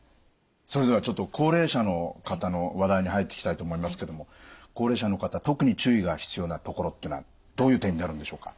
それではちょっと高齢者の方の話題に入っていきたいと思いますけども高齢者の方特に注意が必要なところっていうのはどういう点になるんでしょうか？